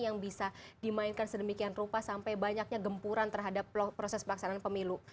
yang bisa dimainkan sedemikian rupa sampai banyaknya gempuran terhadap proses pelaksanaan pemilu